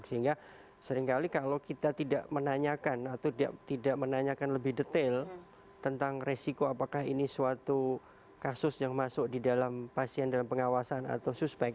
sehingga seringkali kalau kita tidak menanyakan atau tidak menanyakan lebih detail tentang resiko apakah ini suatu kasus yang masuk di dalam pasien dalam pengawasan atau suspek